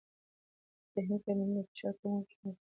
ذهني تمرینونه د فشار کمولو کې مرسته کوي.